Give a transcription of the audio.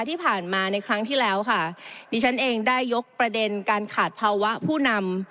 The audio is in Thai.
ที่ผ่านมาในครั้งที่แล้วค่ะดิฉันเองได้ยกประเด็นการขาดภาวะผู้นำ